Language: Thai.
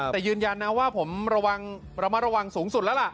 แต่ยืนยันนะว่าผมระวังสูงสุดแล้วล่ะ